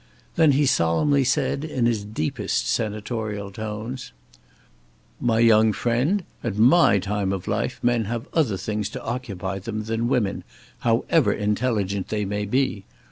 Then he solemnly said, in his deepest senatorial tones: "My young friend, at my time of life men have other things to occupy them than women, however intelligent they may be.